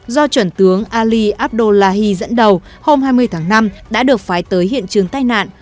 do chuẩn tướng ali abdullahi dẫn đầu hôm hai mươi tháng năm đã được phái tới hiện trường tai nạn